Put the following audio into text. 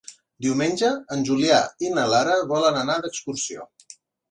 Diumenge en Julià i na Lara volen anar d'excursió.